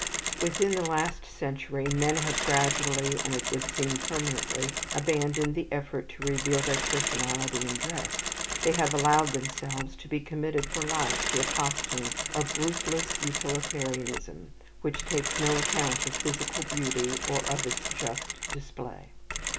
Within the last century, men have gradually, and it would seem permanently, abandoned the effort to reveal their personality in dress. They have allowed themselves to be committed for life to a costume of ruthless utilitarianism, which takes no count of physical beauty, or of its just display.